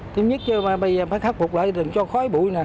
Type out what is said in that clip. tiếp nhất bây giờ phải khắc phục lại đừng cho khói bụi